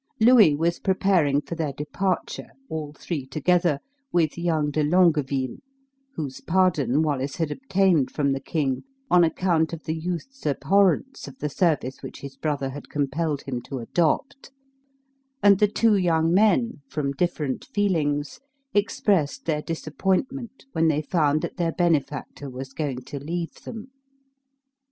Louis was preparing for their departure, all three together, with young De Longueville (whose pardon Wallace had obtained from the king on account of the youth's abhorrence of the service which his brother had compelled him to adopt), and the two young men, from different feelings, expressed their disappointment when they found that their benefactor was going to leave them.